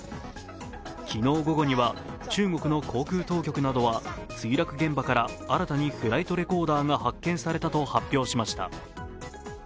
昨日午後には中国の航空当局などは墜落現場から新たにフライトレコーダーが発見されたと発表しました。